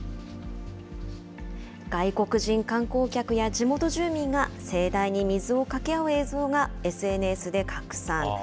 外国人観光客や地元住民が、盛大に水をかけ合う映像がＳＮＳで拡散。